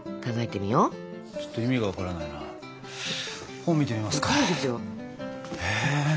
本見てみますか。